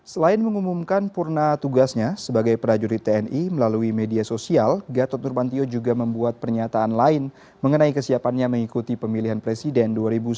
selain mengumumkan purna tugasnya sebagai prajurit tni melalui media sosial gatot nurmantio juga membuat pernyataan lain mengenai kesiapannya mengikuti pemilihan presiden dua ribu sembilan belas